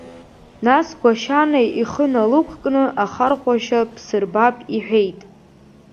Нас Гәашьанеи ихы налықәкны ахархәашьа бсырбап иҳәеит.